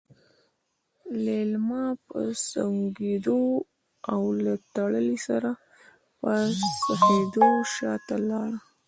ليلما په سونګېدو او له تړې سره په څخېدو شاته لاړه.